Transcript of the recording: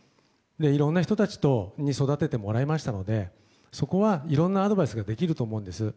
いろんな人たちに育ててもらいましたのでそこはいろんなアドバイスができると思うんです。